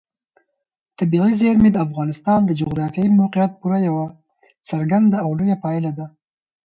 طبیعي زیرمې د افغانستان د جغرافیایي موقیعت پوره یوه څرګنده او لویه پایله ده.